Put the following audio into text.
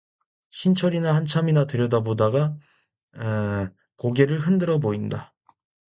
신철이는 한참이나 들여다보다가 고개를 흔들어 보인다.